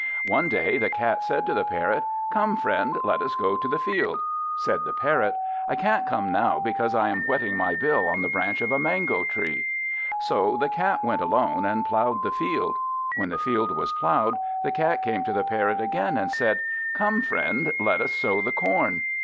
One day the Cat said to the Parrot, "Come, friend, let us go to the field." Said the Parrot, "I can't come now, because I am whetting my bill on the branch of a mango tree." So the Cat went alone, and ploughed the field. When the field was ploughed, the Cat came to the Parrot again, and said "Come, friend, let us sow the corn."